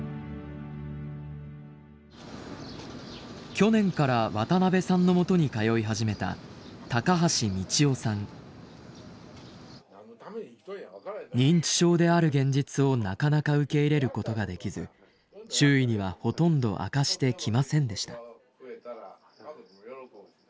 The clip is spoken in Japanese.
去年から渡邊さんのもとに通い始めた認知症である現実をなかなか受け入れることができず周囲にはほとんど明かしてきませんでした。